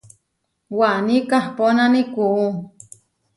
Waní kahponáni kuú.